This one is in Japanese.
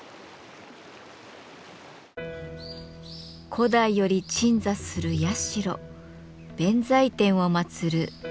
古代より鎮座する社弁財天を祭る天河神社です。